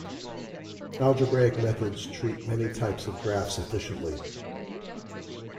Algebraic methods treat many types of graphs efficiently.